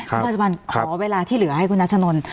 คุณราชบันขอเวลาที่เหลือให้คุณนัชนนท์